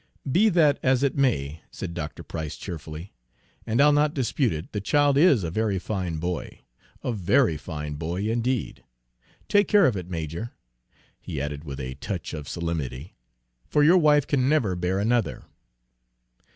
"Be that as it may," said Dr. Price cheerfully, "and I'll not dispute it, the child is a very fine boy, a very fine boy, indeed! Take care of it, major," he added with a touch of solemnity, "for your wife can never bear another."